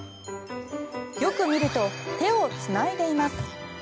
よく見ると手をつないでいます。